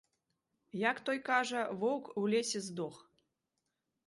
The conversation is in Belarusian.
Як той кажа, воўк у лесе здох.